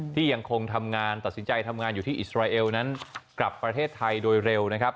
ที่ยังคงทำงานตัดสินใจทำงานอยู่ที่อิสราเอลนั้นกลับประเทศไทยโดยเร็วนะครับ